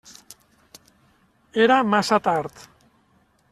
Era massa tard.